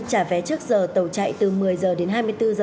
trả vé trước giờ tàu chạy từ một mươi h đến hai mươi bốn h